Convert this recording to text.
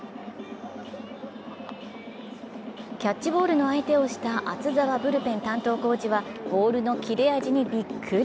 キャッチボールの相手をした厚澤ブルペン担当コーチはボールの切れ味にビックリ。